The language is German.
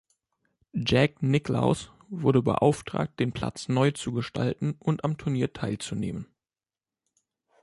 Jack Nicklaus wurde beauftragt, den Platz neu zu gestalten und am Turnier teilzunehmen.